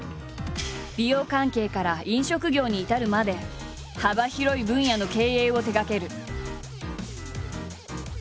美容関係から飲食業に至るまで幅広い分野の経営を手がける。